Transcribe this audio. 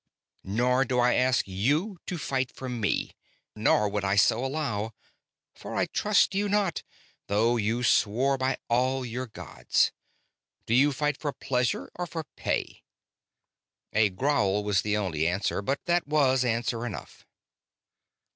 "Nor do I ask you to fight for me. Nor would I so allow; for I trust you not, though you swore by all your gods. Do you fight for pleasure or for pay?" A growl was the only answer, but that was answer enough.